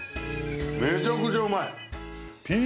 めちゃくちゃうまい。